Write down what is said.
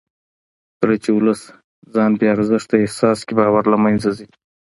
کله چې ولس ځان بې ارزښته احساس کړي باور له منځه ځي